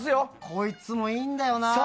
こいつもいいんだよな。